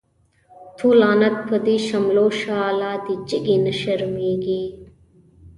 تو لعنت په دی شملو شه، لا دی جګی نه شرميږی